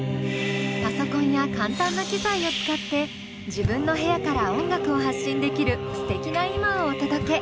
パソコンや簡単な機材を使って自分の部屋から音楽を発信できるすてきな今をお届け。